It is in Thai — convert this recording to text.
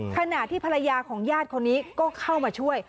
ขณะที่ภรรยาของญาติคนนี้ก็เข้ามาช่วย